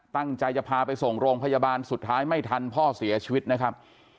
ตั้งใจจะพาไปส่งโรงพยาบาลสุดท้ายไม่ทันพ่อเสียชีวิตนะครับ